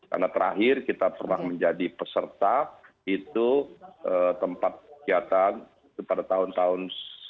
karena terakhir kita pernah menjadi peserta itu tempat kegiatan pada tahun tahun seribu sembilan ratus sembilan puluh enam